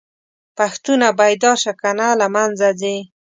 پښتونه!! بيدار شه کنه له منځه ځې